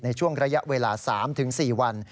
ในช่วงระยะเวลา๓๔วัน